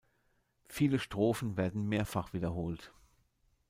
Viele Strophen werden mehrfach wiederholt.